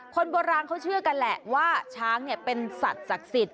คนโบราณเขาเชื่อกันแหละว่าช้างเป็นสัตว์ศักดิ์สิทธิ